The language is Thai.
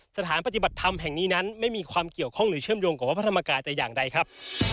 สถานปฏิบัติธรรมแห่งนี้นั้นไม่มีความเกี่ยวข้องหรือเชื่อมโยงกับวัดพระธรรมกายแต่อย่างใดครับ